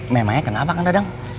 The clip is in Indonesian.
memangnya kenapa kang dadang